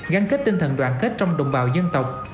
gắn kết tinh thần đoàn kết trong đồng bào dân tộc